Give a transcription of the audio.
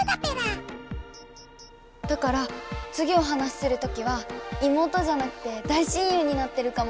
だからつぎお話しするときは妹じゃなくて大親友になってるかも。